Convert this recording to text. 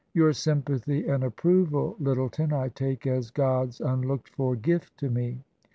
"Your sympathy and approval, Lyttleton, I take as God's unlooked for gift to me.